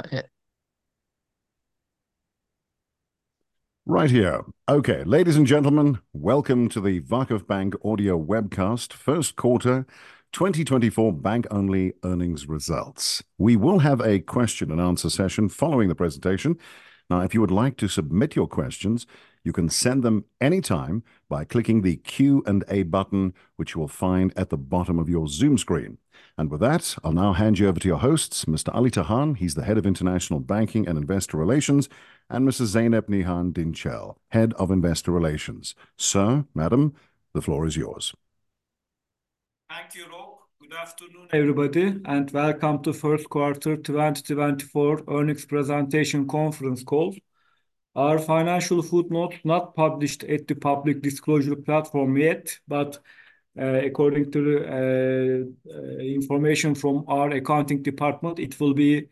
Got it. Right here. Okay. Ladies and gentlemen, welcome to the VakıfBank Audio Webcast Q1 2024 Bank Only earnings results. We will have a question and answer session following the presentation. Now, if you would like to submit your questions, you can send them anytime by clicking the Q&A button, which you will find at the bottom of your Zoom screen. With that, I'll now hand you over to your hosts, Mr. Ali Tahan, he's the Head of International Banking and Investor Relations, and Mrs. Zeynep Nihan Dinçel, Head of Investor Relations. Sir, madam, the floor is yours. Thank you, Rob. Good afternoon, everybody, and welcome to Q1 2024 Earnings Presentation conference call. Our financial footnote not published at the public disclosure platform yet, but according to the information from our accounting department, it will be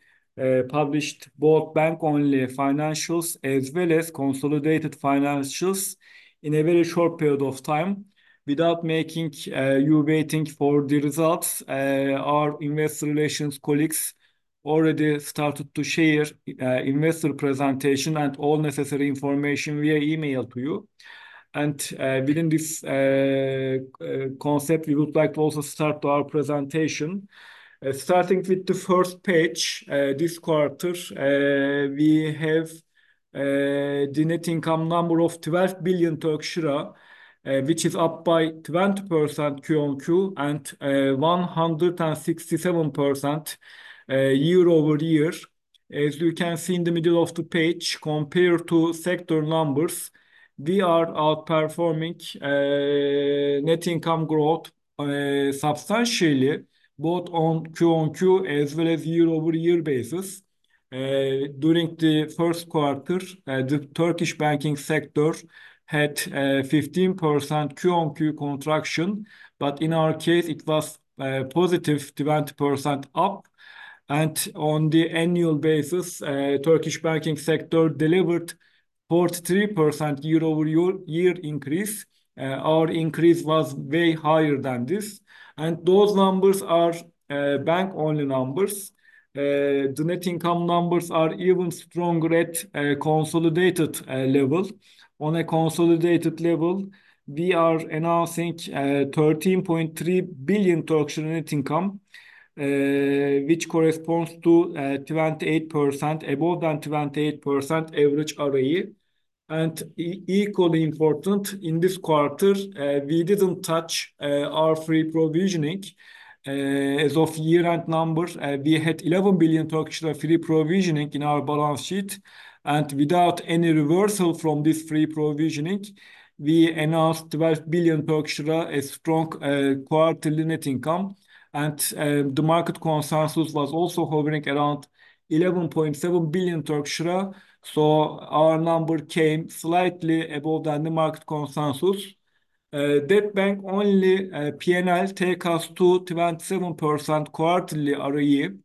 published both bank-only financials as well as consolidated financials in a very short period of time. Without making you waiting for the results, our investor relations colleagues already started to share investor presentation and all necessary information via email to you. Within this concept, we would like to also start our presentation. Starting with the first page, this quarter, we have the net income number of 12 billion Turkish lira, which is up by 20% quarter-over-quarter, and 167% year-over-year. As you can see in the middle of the page, compared to sector numbers, we are outperforming net income growth substantially both on QoQ as well as year-over-year basis. During the Q1, the Turkish banking sector had 15% QoQ contraction, but in our case, it was positive 20% up. On the annual basis, Turkish banking sector delivered 43% year-over-year increase. Our increase was way higher than this. Those numbers are bank-only numbers. The net income numbers are even stronger at a consolidated level. On a consolidated level, we are announcing 13.3 billion net income, which corresponds to 28% above the 28% average ROE. Equally important, in this quarter, we didn't touch our free provisionings. As of year-end numbers, we had 11 billion Turkish lira free provisionings in our balance sheet. Without any reversal from this free provisionings, we announced 12 billion, a strong quarterly net income. The market consensus was also hovering around 11.7 billion Turkish lira. Our number came slightly above than the market consensus. That bank-only P&L take us to 27% quarterly ROE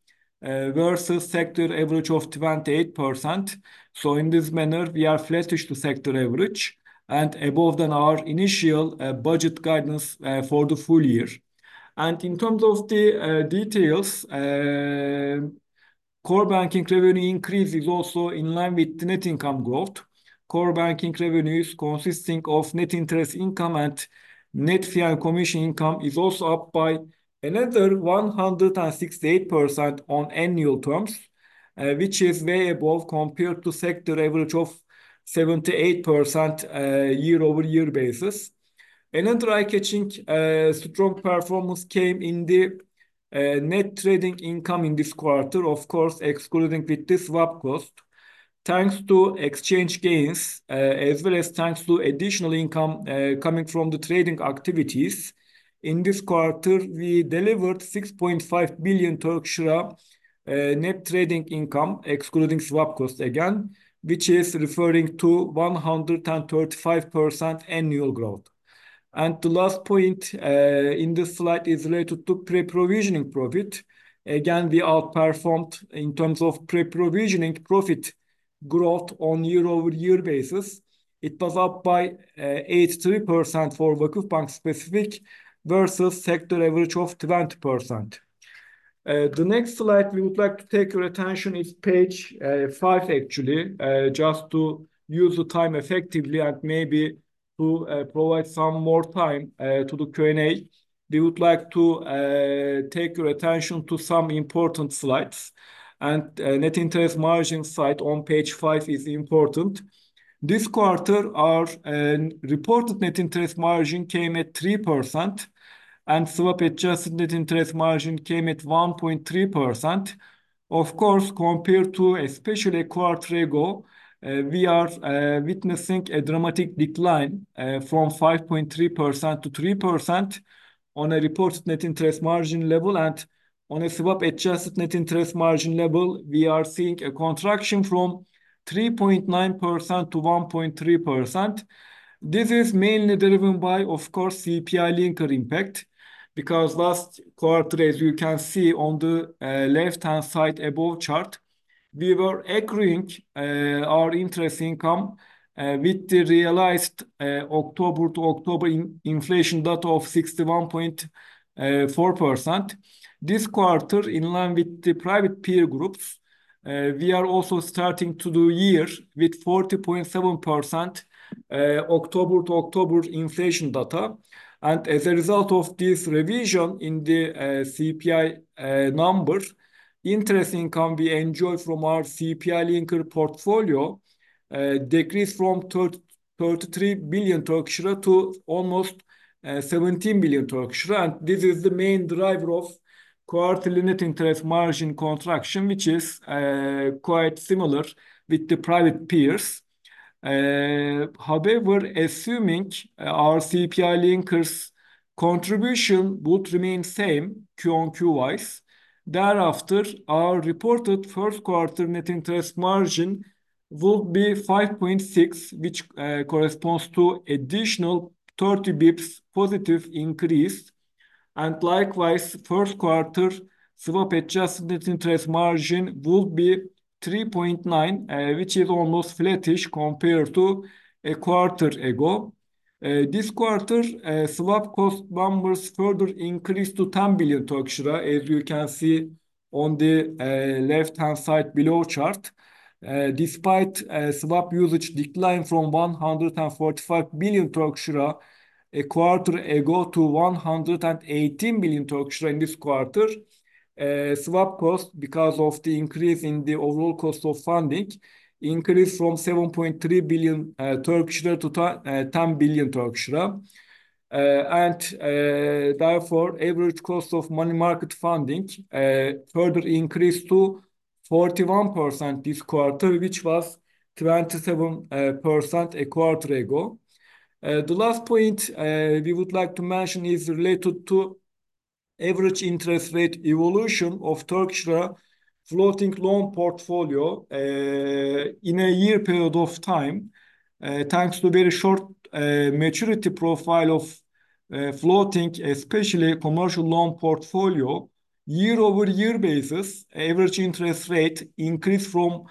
versus sector average of 28%. In this manner, we are flattish to sector average and above than our initial budget guidance for the full year. In terms of the details, core banking revenue increase is also in line with the net income growth. Core banking revenues consisting of net interest income and net fee and commission income is also up by another 168% on annual terms, which is way above compared to sector average of 78%, year-over-year basis. Another eye-catching, strong performance came in the net trading income in this quarter, of course, excluding the swap cost. Thanks to exchange gains, as well as thanks to additional income coming from the trading activities. In this quarter, we delivered 6.5 billion Turkish lira net trading income, excluding swap cost again, which is referring to 135% annual growth. The last point in this slide is related to pre-provisioning profit. Again, we outperformed in terms of pre-provisioning profit growth on year-over-year basis. It was up by 83% for VakıfBank specific, versus sector average of 20%. The next slide we would like to take your attention to is page 5 actually, just to use the time effectively and maybe to provide some more time to the Q&A. We would like to take your attention to some important slides. Net interest margin slide on page 5 is important. This quarter, our reported net interest margin came at 3%, and swap-adjusted net interest margin came at 1.3%. Of course, compared to especially a quarter ago, we are witnessing a dramatic decline from 5.3%-3% on a reported net interest margin level. On a swap-adjusted net interest margin level, we are seeing a contraction from 3.9%-1.3%. This is mainly driven by, of course, CPI linking impact, because last quarter, as you can see on the left-hand side of the above chart. We were accruing our interest income with the realized October to October inflation data of 61.4%. This quarter, in line with the private peer groups, we are also starting to do year with 40.7% October to October inflation data. As a result of this revision in the CPI numbers, interest income we enjoy from our CPI-linked portfolio decreased from 33 billion Turkish lira to almost 17 billion Turkish lira. This is the main driver of quarter net interest margin contraction, which is quite similar with the private peers. However, assuming our CPI linkers contribution would remain same QoQ-wise, thereafter, our reported Q1 net interest margin would be 5.6%, which corresponds to additional 30 basis points positive increase. Likewise, Q1 swap-adjusted net interest margin would be 3.9%, which is almost flattish compared to a quarter ago. This quarter, swap cost numbers further increased to 10 billion Turkish lira, as you can see on the left-hand side below chart. Despite swap usage decline from 145 billion a quarter ago to 118 billion in this quarter, swap cost, because of the increase in the overall cost of funding, increased from 7.3 billion-10 billion Turkish lira. Therefore, average cost of money market funding further increased to 41% this quarter, which was 27% a quarter ago. The last point we would like to mention is related to average interest rate evolution of Turkish lira floating loan portfolio. In a year period of time, thanks to very short maturity profile of floating, especially commercial loan portfolio, year-over-year basis, average interest rate increased from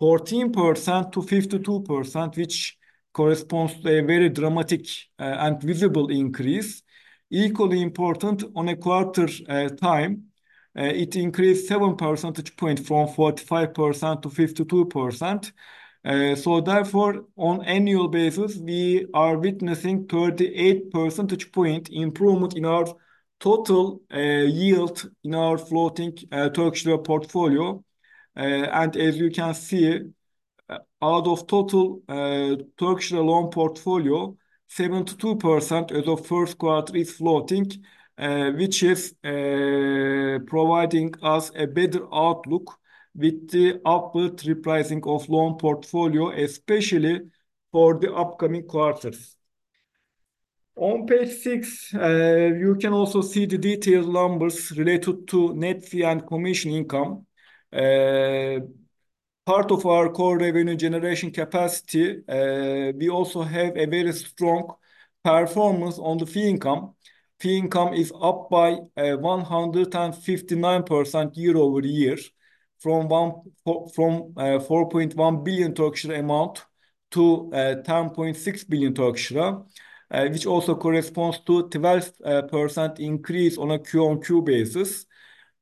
14%-52%, which corresponds to a very dramatic and visible increase. Equally important, on a quarterly time, it increased 7 percentage points from 45%-52%. Therefore, on annual basis, we are witnessing 38 percentage points improvement in our total yield in our floating Turkish lira portfolio. As you can see, out of total Turkish lira loan portfolio, 72% as of Q1 is floating, which is providing us a better outlook with the upward repricing of loan portfolio, especially for the upcoming quarters. On page six, you can also see the detailed numbers related to net fee and commission income. Part of our core revenue generation capacity, we also have a very strong performance on the fee income. Fee income is up by 159% year-over-year from 4.1 billion-10.6 billion, which also corresponds to 12% increase on a QoQ basis.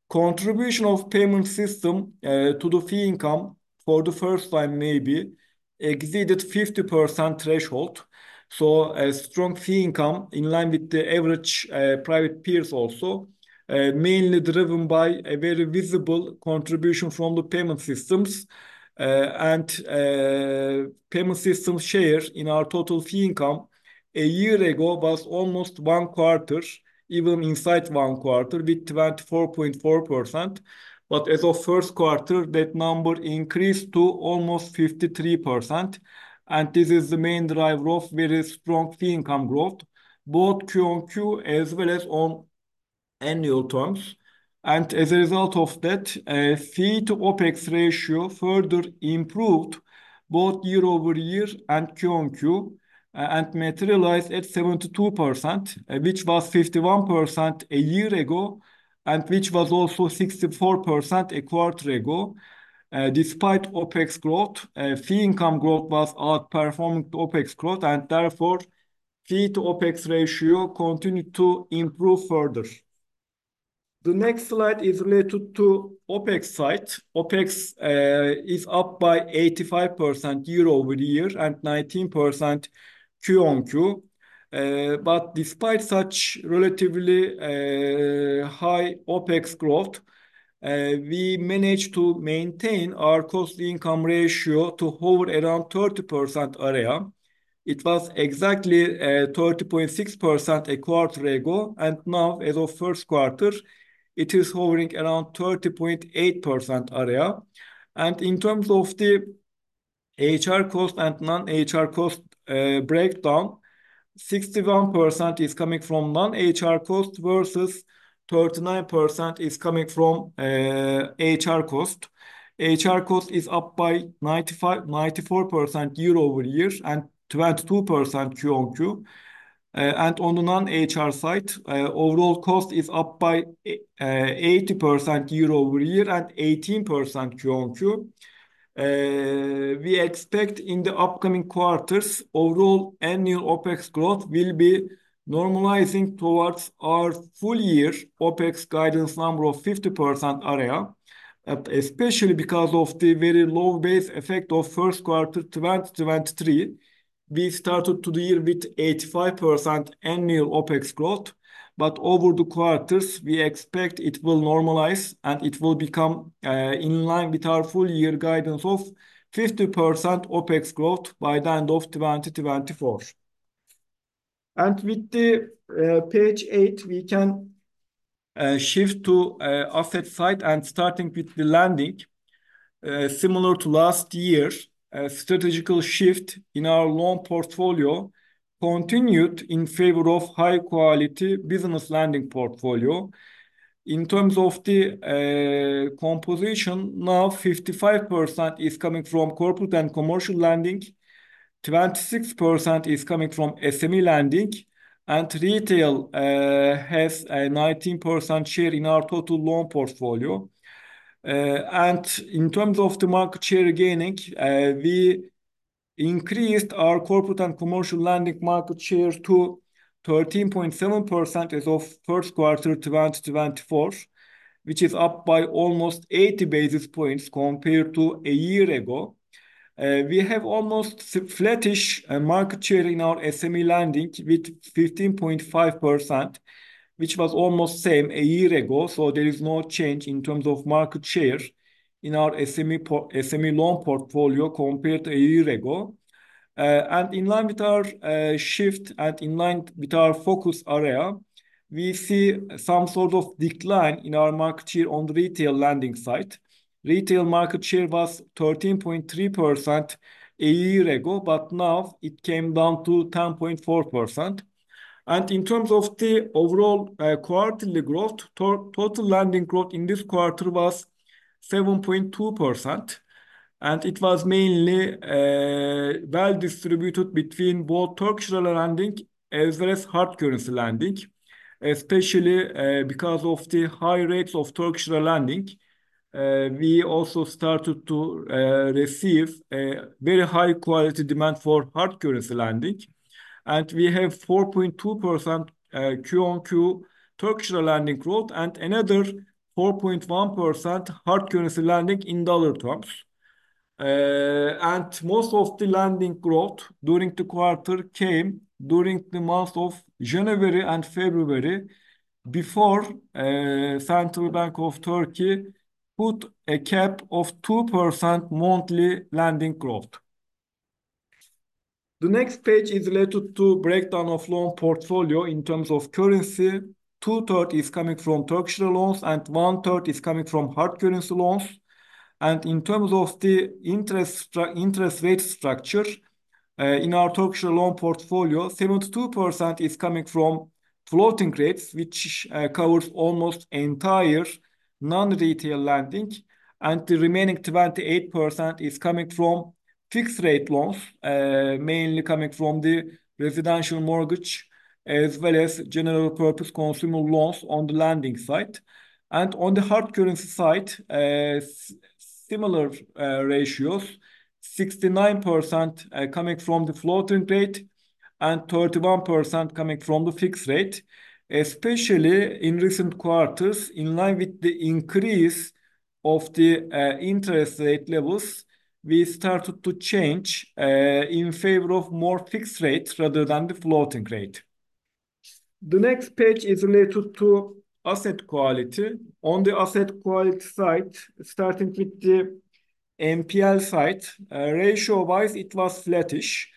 Contribution of payment system to the fee income for the first time maybe exceeded 50% threshold. A strong fee income in line with the average private peers also mainly driven by a very visible contribution from the payment systems. Payment system share in our total fee income a year ago was almost one quarter, even inside one quarter with 24.4%. As of Q1, that number increased to almost 53%, and this is the main driver of very strong fee income growth, both Q-on-Q as well as on annual terms. As a result of that, fee to OpEx ratio further improved both year-over-year and Q-on-Q, and materialized at 72%, which was 51% a year ago, and which was also 64% a quarter ago. Despite OpEx growth, fee income growth was outperforming OpEx growth, and therefore, fee to OpEx ratio continued to improve further. The next slide is related to OpEx side. OpEx is up by 85% year-over-year and 19% Q-on-Q. Despite such relatively high OpEx growth, we managed to maintain our cost to income ratio to hover around 30% area. It was exactly 30.6% a quarter ago, and now as of Q1, it is hovering around 30.8% area. In terms of the HR cost and non-HR cost breakdown, 61% is coming from non-HR cost versus 39% is coming from HR cost. HR cost is up by 94% year-over-year and 22% QOQ. On the non-HR side, overall cost is up by 80% year-over-year and 18% QOQ. We expect in the upcoming quarters, overall annual OpEx growth will be normalizing towards our full year OpEx guidance number of 50% area, that especially because of the very low base effect of Q1 2023. We started to deal with 85% annual OpEx growth. Over the quarters, we expect it will normalize, and it will become in line with our full year guidance of 50% OpEx growth by the end of 2024. With the page eight, we can shift to asset side and starting with the lending. Similar to last year, a strategic shift in our loan portfolio continued in favor of high quality business lending portfolio. In terms of the composition, now 55% is coming from corporate and commercial lending, 26% is coming from SME lending, and retail has a 19% share in our total loan portfolio. In terms of the market share gaining, we increased our corporate and commercial lending market share to 13.7% as of Q1 2024, which is up by almost 80 basis points compared to a year ago. We have almost flattish market share in our SME lending with 15.5%, which was almost same a year ago. There is no change in terms of market share in our SME loan portfolio compared to a year ago. In line with our shift and in line with our focus area, we see some sort of decline in our market share on the retail lending side. Retail market share was 13.3% a year ago, but now it came down to 10.4%. In terms of the overall quarterly growth total lending growth in this quarter was 7.2%, and it was mainly well distributed between both Turkish lira lending as well as hard currency lending, especially because of the high rates of Turkish lira lending. We also started to receive a very high quality demand for hard currency lending, and we have 4.2% QOQ Turkish lira lending growth and another 4.1% hard currency lending in dollar terms. Most of the lending growth during the quarter came during the month of January and February before Central Bank of the Republic of Turkey put a cap of 2% monthly lending growth. The next page is related to breakdown of loan portfolio in terms of currency. Two-thirds is coming from Turkish lira loans, and one-third is coming from hard currency loans. In terms of the interest rate structure, in our Turkish lira loan portfolio, 72% is coming from floating rates, which covers almost entire non-retail lending, and the remaining 28% is coming from fixed rate loans, mainly coming from the residential mortgage as well as general purpose consumer loans on the lending side. On the hard currency side, similar ratios, 69% coming from the floating rate and 31% coming from the fixed rate, especially in recent quarters in line with the increase of the interest rate levels, we started to change in favor of more fixed rates rather than the floating rate. The next page is related to asset quality. On the asset quality side, starting with the NPL side, ratio-wise, it was flattish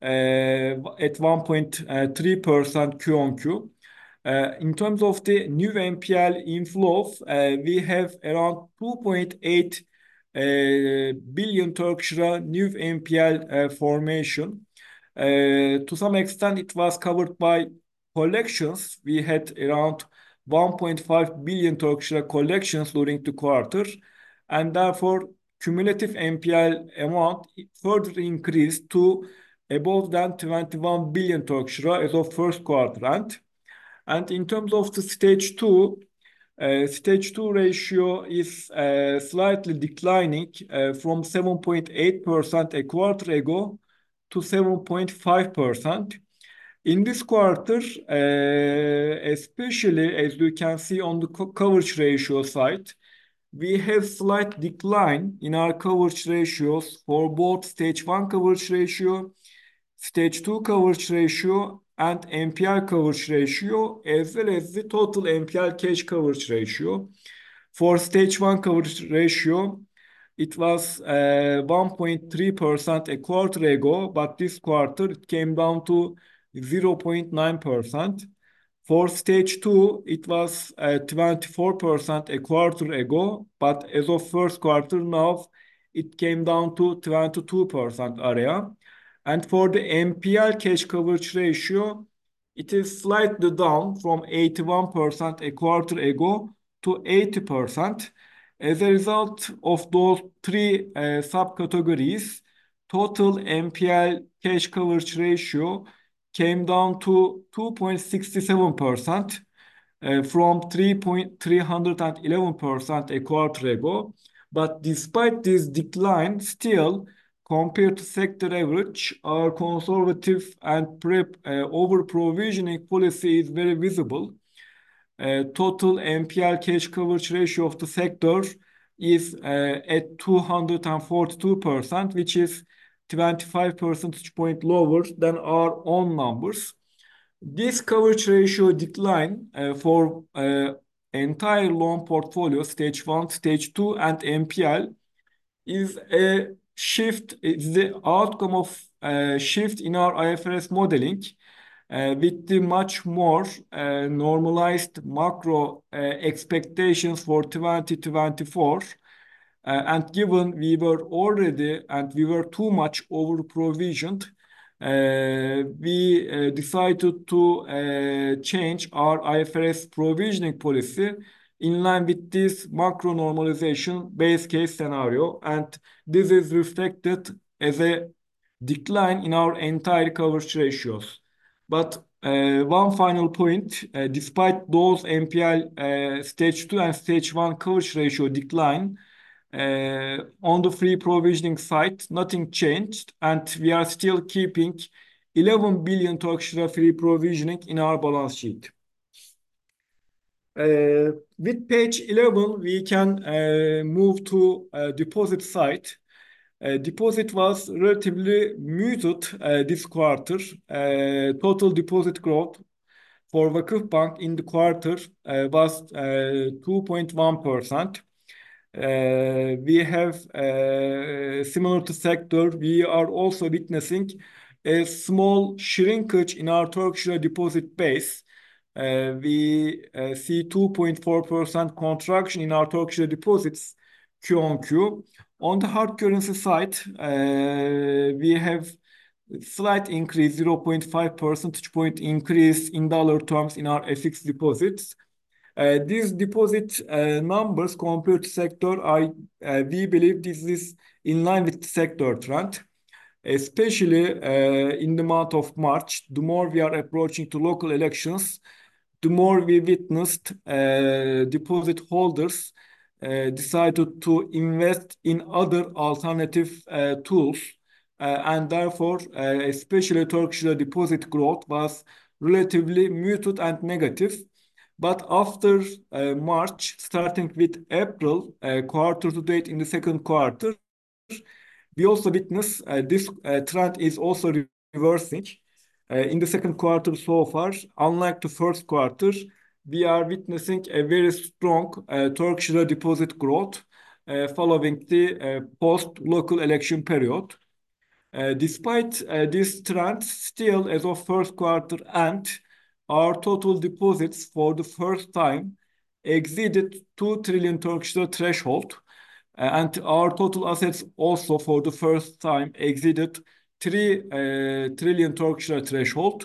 at 1.3% QOQ. In terms of the new NPL inflows, we have around 2.8 billion new NPL formation. To some extent, it was covered by collections. We had around 1.5 billion collections during the quarter, and therefore, cumulative NPL amount further increased to above than 21 billion Turkish lira as of Q1 end. In terms of the Stage 2, Stage 2 ratio is slightly declining from 7.8% a quarter ago to 7.5%. In this quarter, especially as we can see on the coverage ratio side, we have slight decline in our coverage ratios for both Stage 1 coverage ratio, Stage 2 coverage ratio, and NPL coverage ratio, as well as the total NPL cash coverage ratio. For Stage 1 coverage ratio, it was 1.3% a quarter ago, but this quarter, it came down to 0.9%. For Stage 2, it was 24% a quarter ago. As of Q1 now, it came down to 22% area. For the NPL cash coverage ratio, it is slightly down from 81% a quarter ago to 80%. As a result of those three subcategories, total NPL cash coverage ratio came down to 2.67% from 3.311% a quarter ago. Despite this decline, still compared to sector average, our conservative over-provisioning policy is very visible. Total NPL cash coverage ratio of the sector is at 242%, which is 25 percentage point lower than our own numbers. This coverage ratio decline for entire loan portfolio, Stage 1, Stage 2 and NPL, is a shift. It's the outcome of a shift in our IFRS modeling, with the much more normalized macro expectations for 2024. Given we were already too much over-provisioned, we decided to change our IFRS provisioning policy in line with this macro normalization base case scenario. This is reflected as a decline in our entire coverage ratios. One final point, despite those NPL stage two and stage one coverage ratio decline, on the free provisioning side, nothing changed. We are still keeping 11 billion free provisioning in our balance sheet. With page 11, we can move to the deposit side. Deposit was relatively muted this quarter. Total deposit growth for VakıfBank in the quarter was 2.1%. We have similar to sector, we are also witnessing a small shrinkage in our Turkish lira deposit base. We see 2.4% contraction in our Turkish lira deposits Q on Q. On the hard currency side, we have slight increase, 0.5 percentage point increase in dollar terms in our FX deposits. These deposit numbers compared to sector are, we believe, in line with the sector trend, especially in the month of March. The more we are approaching to local elections, the more we witnessed deposit holders decided to invest in other alternative tools. Therefore, especially Turkish lira deposit growth was relatively muted and negative. After March, starting with April, quarter to date in the Q2, we also witness this trend is also reversing. In the second quarter so far, unlike the Q1, we are witnessing a very strong Turkish lira deposit growth following the post local election period. Despite this trend, still as of Q1 end, our total deposits for the first time exceeded TRY 2 trillion threshold. Our total assets also for the first time exceeded TRY 3 trillion threshold.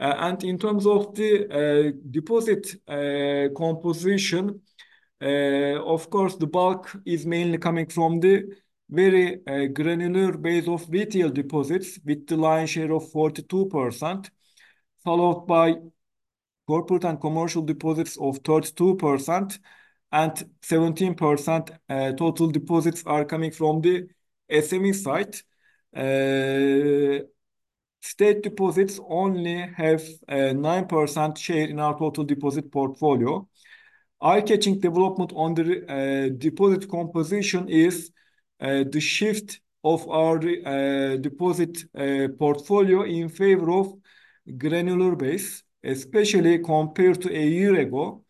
In terms of the deposit composition, of course, the bulk is mainly coming from the very granular base of retail deposits with the lion's share of 42%, followed by corporate and commercial deposits of 32% and 17%, total deposits are coming from the SME side. State deposits only have a 9% share in our total deposit portfolio. Eye-catching development on the deposit composition is the shift of our deposit portfolio in favor of granular base, especially compared to a year ago.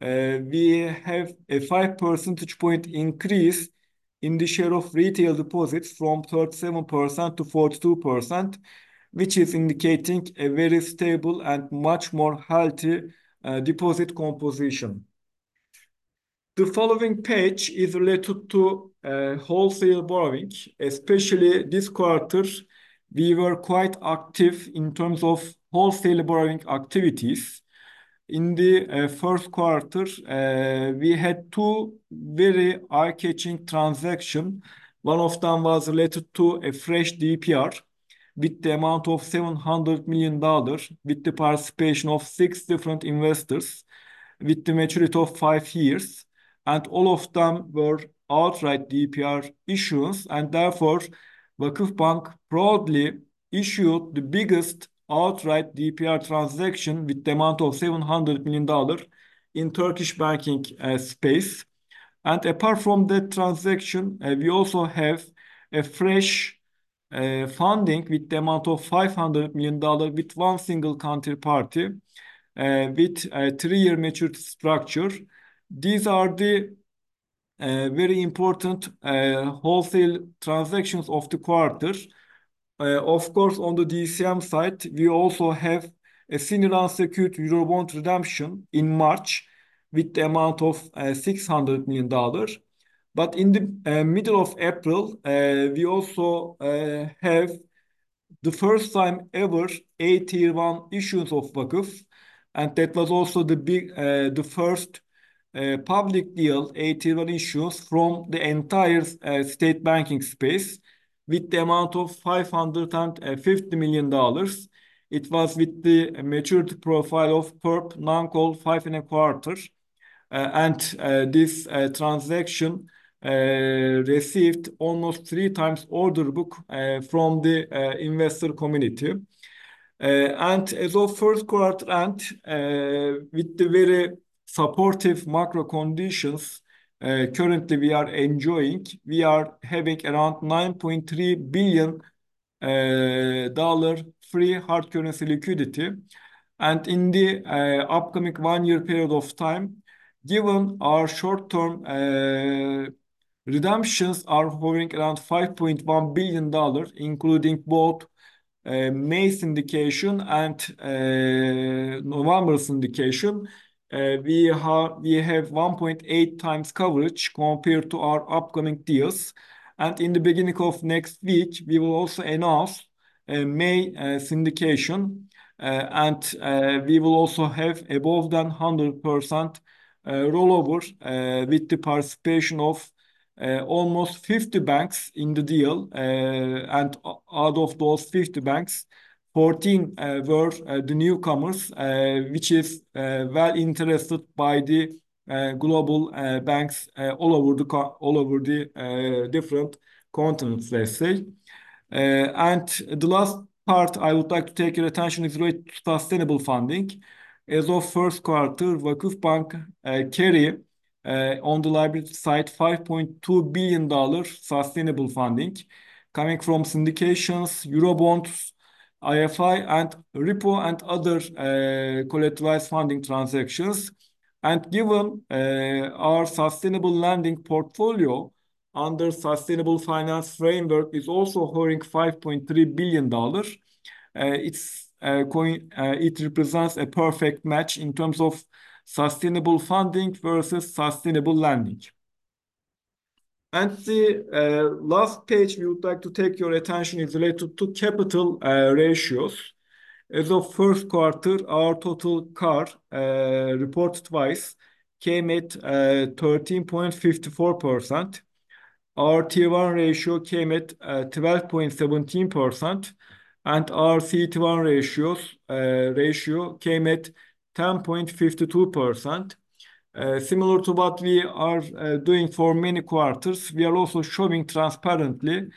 We have a 5 percentage point increase in the share of retail deposits from 37%-42%, which is indicating a very stable and much more healthy deposit composition. The following page is related to wholesale borrowing. Especially this quarter, we were quite active in terms of wholesale borrowing activities. In the Q1, we had two very eye-catching transactions. One of them was related to a fresh DPR with the amount of $700 million with the participation of 6 different investors with the maturity of 5 years. All of them were outright DPR issuance. Therefore, VakıfBank proudly issued the biggest outright DPR transaction with the amount of $700 million in Turkish banking space. Apart from that transaction, we also have a fresh funding with the amount of $500 million with one single counterparty with a 3-year maturity structure. These are the very important wholesale transactions of the quarter. Of course, on the DCM side, we also have a senior unsecured Eurobond redemption in March with the amount of $600 million. In the middle of April, we also have the first time ever a Tier 1 issuance of VakıfBank. That was also the first public deal, a Tier 1 issue from the entire state banking space with the amount of $550 million. It was with the maturity profile of perp non-call five and a quarter. This transaction received almost three times order book from the investor community. As of Q1 end, with the very supportive macro conditions currently we are enjoying, we are having around $9.3 billion dollar free hard currency liquidity. In the upcoming one-year period of time, given our short-term redemptions are hovering around $5.1 billion, including both May's indication and November's indication, we have 1.8 times coverage compared to our upcoming deals. In the beginning of next week, we will also announce May syndication. We will also have above 100% rollover with the participation of almost 50 banks in the deal. Out of those 50 banks, 14 were the newcomers, which is well-received by the global banks all over the different continents, let's say. The last part I would like to draw your attention to is related to sustainable funding. As of Q1, VakıfBank carries on the liability side $5.2 billion sustainable funding coming from syndications, Eurobonds, IFI, and repo and other collateralized funding transactions. Given our sustainable lending portfolio under sustainable finance framework is also holding $5.3 billion. It represents a perfect match in terms of sustainable funding versus sustainable lending. The last page we would like to take your attention is related to capital ratios. As of Q1, our total CAR reported basis came at 13.54%. Our Tier 1 ratio came at 12.17%, and our CET1 ratio came at 10.52%. Similar to what we are doing for many quarters, we are also showing transparently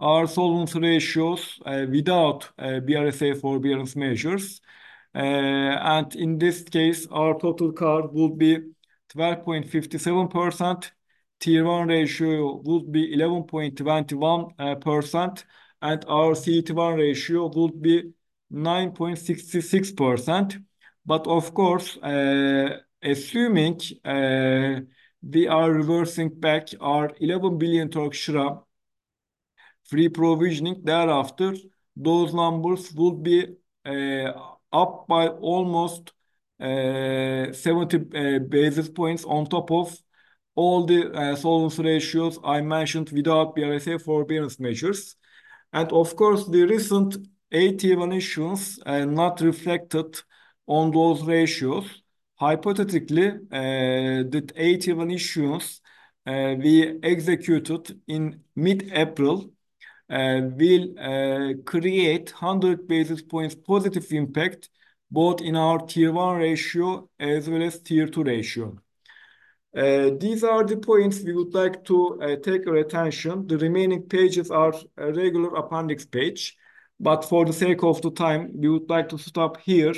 our solvency ratios without BRSA forbearance measures. In this case, our total CAR would be 12.57%, Tier 1 ratio would be 11.21%, and our CET1 ratio would be 9.66%. Of course, assuming we are reversing back our 11 billion Turkish lira free provisioning thereafter, those numbers would be up by almost 70 basis points on top of all the solvency ratios I mentioned without BRSA forbearance measures. Of course, the recent AT1 issuance are not reflected on those ratios. Hypothetically, that AT1 issuance we executed in mid-April will create 100 basis points positive impact both in our Tier 1 ratio as well as Tier 2 ratio. These are the points we would like to take your attention. The remaining pages are a regular appendix page. For the sake of the time, we would like to stop here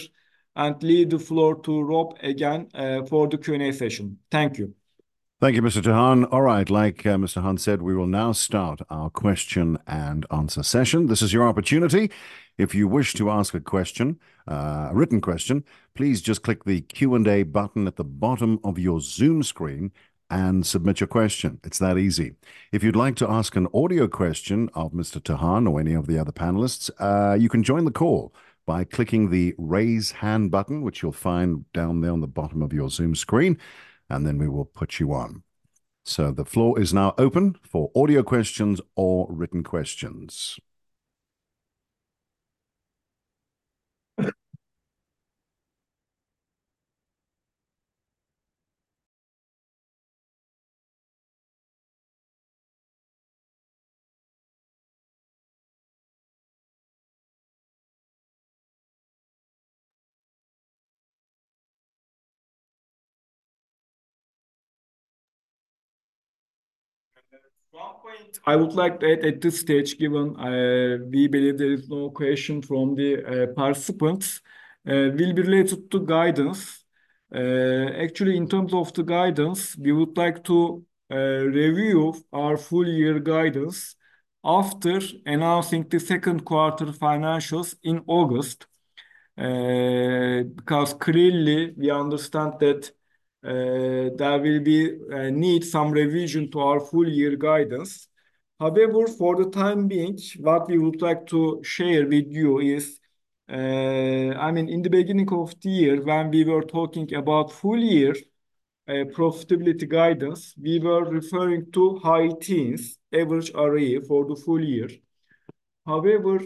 and leave the floor to Rob again for the Q&A session. Thank you. Thank you, Mr. Tahan. All right. Like, Mr. Tahan said, we will now start our question and answer session. This is your opportunity. If you wish to ask a question, a written question, please just click the Q&A button at the bottom of your Zoom screen and submit your question. It's that easy. If you'd like to ask an audio question of Mr. Tahan or any of the other panelists, you can join the call by clicking the Raise Hand button, which you'll find down there on the bottom of your Zoom screen, and then we will put you on. The floor is now open for audio questions or written questions. One point I would like to add at this stage, given we believe there is no question from the participants that will be related to guidance. Actually, in terms of the guidance, we would like to review our full year guidance after announcing the Q2 financials in August, because clearly we understand that there will be a need for some revision to our full year guidance. However, for the time being, what we would like to share with you is, I mean, in the beginning of the year, when we were talking about full year profitability guidance. We were referring to high teens average ROE for the full year. However,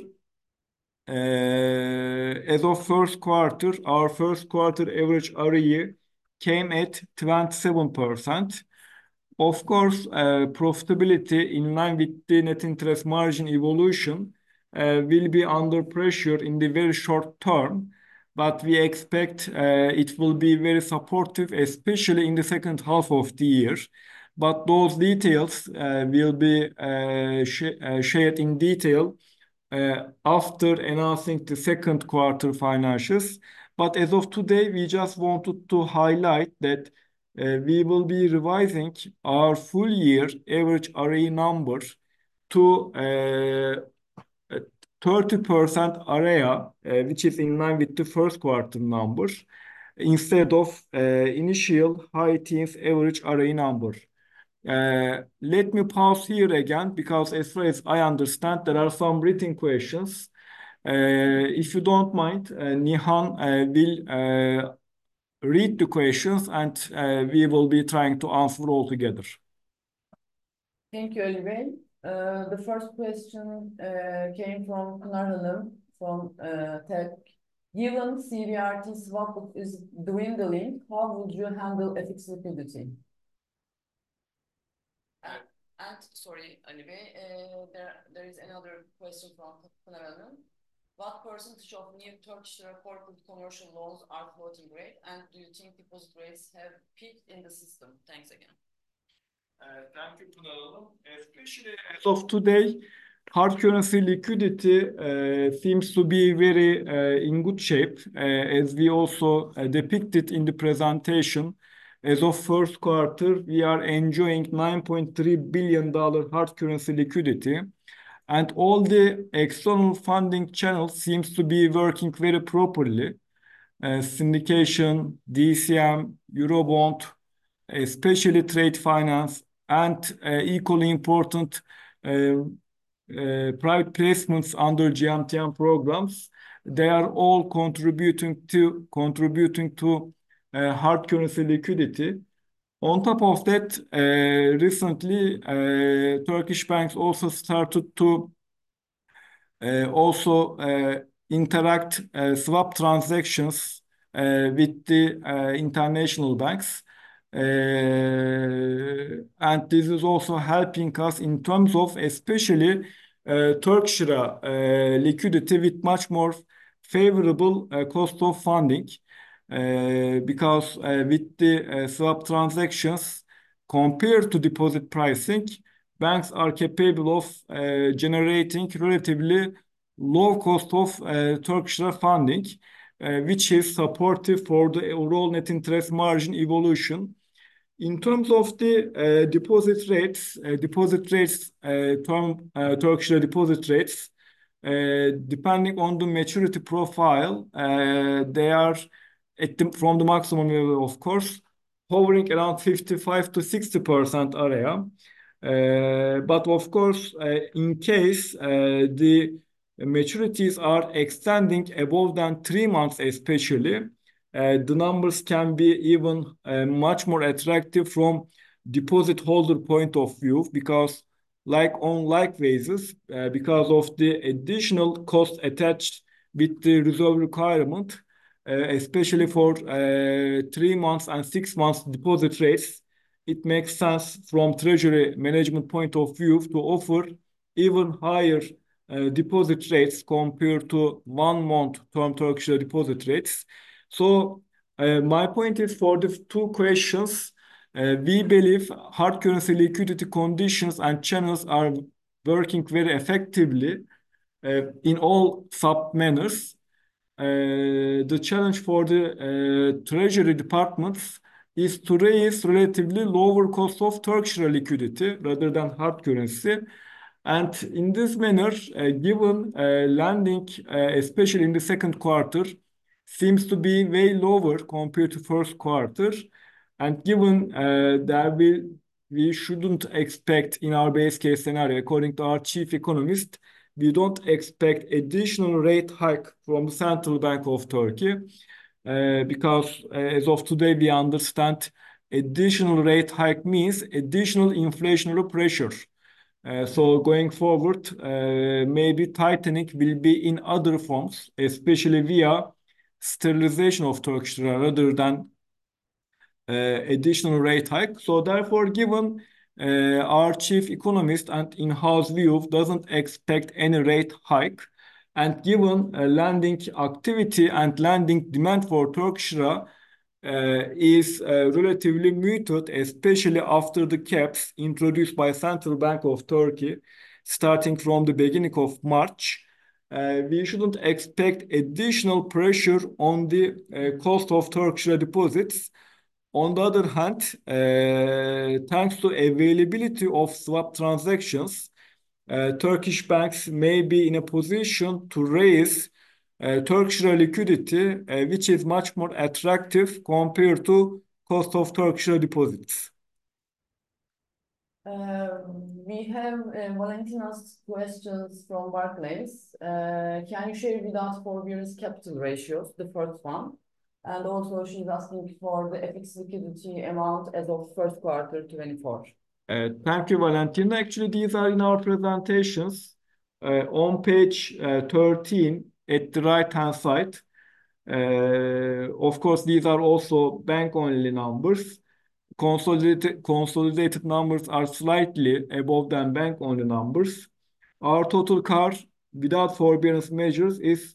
as of Q1, our Q1 average ROE came at 27%. Of course, profitability in line with the net interest margin evolution will be under pressure in the very short term, but we expect it will be very supportive, especially in the second half of the year. Those details will be shared in detail after announcing the Q2 financials. As of today, we just wanted to highlight that we will be revising our full year average ROE numbers to a 30% ROE, which is in line with the Q1 numbers instead of initial high teens average ROE number. Let me pause here again because as far as I understand, there are some written questions. If you don't mind, Nihan will read the questions, and we will be trying to answer all together. Thank you, Ali. The first question came from Pınar Alım from TEB. Given CBRT swap is dwindling, how would you handle FX liquidity? Sorry, Ali Bey. There is another question from Pınar Alım. What percentage of new Turkish reported commercial loans are floating rate? Do you think deposit rates have peaked in the system? Thanks again. Thank you, Pınar Alım. Especially as of today, hard currency liquidity seems to be very in good shape. As we also depicted in the presentation, as of Q1, we are enjoying $9.3 billion hard currency liquidity. All the external funding channels seems to be working very properly. Syndication, DCM, Eurobond, especially trade finance, and equally important, private placements under GMTN programs. They are all contributing to hard currency liquidity. On top of that, recently, Turkish banks also started to also interact swap transactions with the international banks. This is also helping us in terms of especially Turkish lira liquidity with much more favorable cost of funding. Because with the swap transactions compared to deposit pricing, banks are capable of generating relatively low cost of Turkish lira funding, which is supportive for the overall net interest margin evolution. In terms of the deposit rates, term Turkish lira deposit rates, depending on the maturity profile, they are at the maximum level, of course, hovering around 55%-60% ROA. Of course, in case the maturities are extending above than three months especially, the numbers can be even much more attractive from deposit holder point of view because like on like basis, because of the additional cost attached with the reserve requirement, especially for three months and six months deposit rates, it makes sense from treasury management point of view to offer even higher deposit rates compared to one-month term Turkish lira deposit rates. My point is for the two questions, we believe hard currency liquidity conditions and channels are working very effectively in all sub manners. The challenge for the treasury departments is to raise relatively lower cost of Turkish lira liquidity rather than hard currency. In this manner, given lending, especially in the Q2, seems to be way lower compared to Q1. Given that we shouldn't expect in our base case scenario, according to our chief economist, we don't expect additional rate hike from Central Bank of Turkey. Because, as of today, we understand additional rate hike means additional inflationary pressure. Going forward, maybe tightening will be in other forms, especially via sterilization of Turkish lira rather than additional rate hike. Given our chief economist and in-house view doesn't expect any rate hike, and given lending activity and lending demand for Turkish lira is relatively muted, especially after the caps introduced by Central Bank of the Republic of Turkey starting from the beginning of March, we shouldn't expect additional pressure on the cost of Turkish lira deposits. On the other hand, thanks to availability of swap transactions, Turkish banks may be in a position to raise Turkish lira liquidity, which is much more attractive compared to cost of Turkish lira deposits. We have Valentina's questions from Barclays. Can you share with us forbearance capital ratios, the first one? And also she's asking for the FX liquidity amount as of Q1 2024. Thank you, Valentina. Actually, these are in our presentations on page 13 at the right-hand side. Of course, these are also bank-only numbers. Consolidated numbers are slightly above than bank-only numbers. Our total CAR without forbearance measures is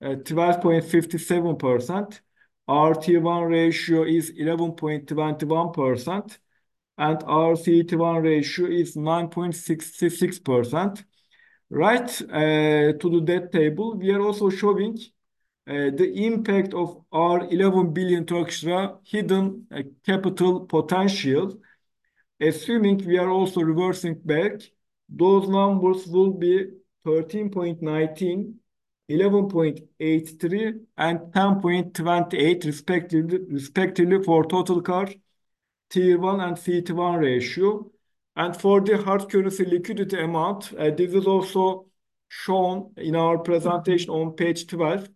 12.57%. Our Tier 1 ratio is 11.21% and our CET1 ratio is 9.66%. Right, to the debt table, we are also showing the impact of our 11 billion hidden capital potential. Assuming we are also reversing back, those numbers will be 13.19, 11.83, and 10.28 respectively for total CAR, Tier 1, and CET1 ratio. For the hard currency liquidity amount, this is also shown in our presentation on page 12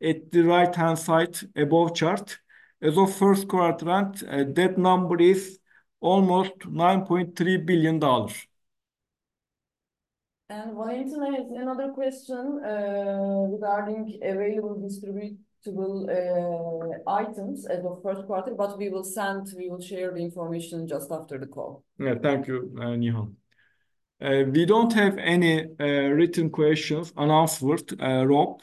at the right-hand side above chart. As of Q1 end, that number is almost $9.3 billion. Valentina has another question regarding available distributable items as of Q1, but we will send, we will share the information just after the call. Yeah. Thank you, Nihan. We don't have any written questions unanswered, Rob.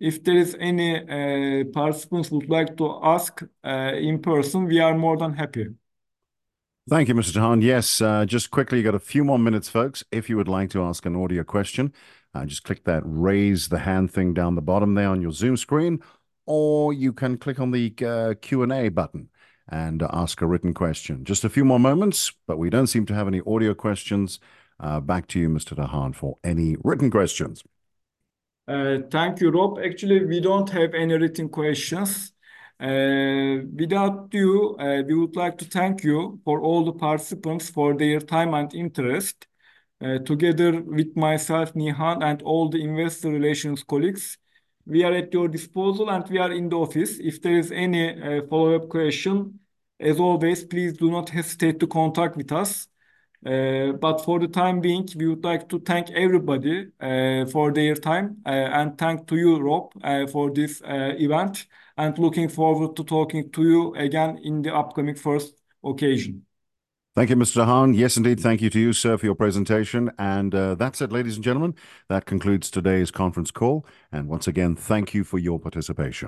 If there is any, participants would like to ask in person, we are more than happy. Thank you, Mr. Tahan. Yes, just quickly, got a few more minutes, folks. If you would like to ask an audio question, just click that raise the hand thing down the bottom there on your Zoom screen, or you can click on the Q&A button and ask a written question. Just a few more moments, but we don't seem to have any audio questions. Back to you, Mr. Tahan, for any written questions. Thank you, Rob. Actually, we don't have any written questions. Without further ado, we would like to thank all the participants for their time and interest. Together with myself, Nihan, and all the investor relations colleagues, we are at your disposal, and we are in the office. If there is any follow-up question, as always, please do not hesitate to contact us. For the time being, we would like to thank everybody for their time, and thank you, Rob, for this event, and looking forward to talking to you again in the upcoming first occasion. Thank you, Mr. Tahan. Yes, indeed. Thank you to you, sir, for your presentation. That's it, ladies and gentlemen. That concludes today's conference call. Once again, thank you for your participation.